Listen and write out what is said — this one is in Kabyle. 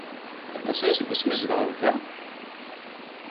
Aṭas aya seg wasmi ay tzedɣeḍ da?